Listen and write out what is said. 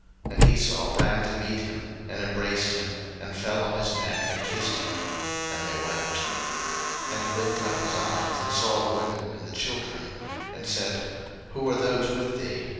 01:033:004 And Esau ran to meet him, and embraced him, and fell on his neck, and kissed him: and they wept. 01:033:005 And he lifted up his eyes, and saw the women and the children; and said, Who are those with thee?